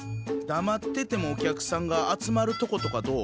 だまっててもお客さんが集まるとことかどう？